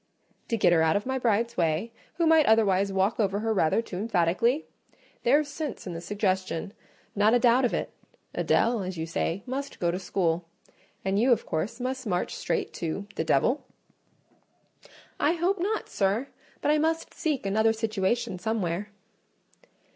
"To get her out of my bride's way, who might otherwise walk over her rather too emphatically? There's sense in the suggestion; not a doubt of it. Adèle, as you say, must go to school; and you, of course, must march straight to—the devil?" "I hope not, sir; but I must seek another situation somewhere."